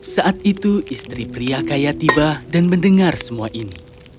saat itu istri pria kaya tiba dan mendengar semua ini